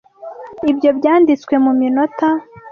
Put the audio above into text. Ibyo byanditswe muminota.